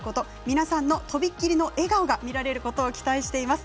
皆さんのとびっきりの笑顔が見られることを期待しています。